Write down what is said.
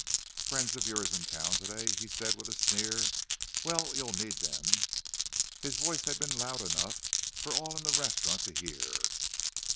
"Friends of yours in town to day," he said with a sneer. "Well, you'll need them!" His voice had been loud enough for all in the restaurant to hear.